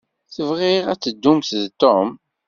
Bɣiɣ ad ddumt d Tom.